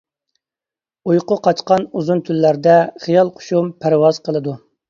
ئۇيقۇ قاچقان ئۇزۇن تۈنلەردە، خىيال قۇشۇم پەرۋاز قىلىدۇ.